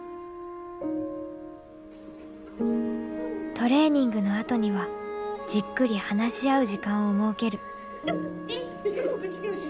トレーニングの後にはじっくり話し合う時間を設ける。